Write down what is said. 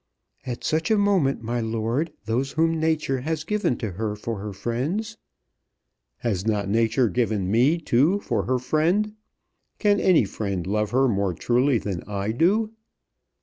"At such a moment, my lord, those whom nature has given to her for her friends " "Has not nature given me too for her friend? Can any friend love her more truly than I do?